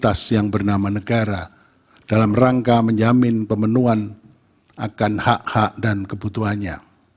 atas yang bernama negara dalam rangka menjamin pemenuhan akan hak hak dan kebutuhannya